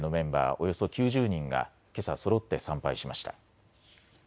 およそ９０人がけさ、そろって参拝しました。